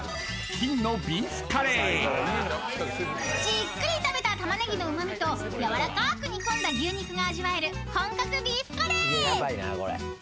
［じっくり炒めたタマネギのうま味とやわらかく煮込んだ牛肉が味わえる本格ビーフカレー］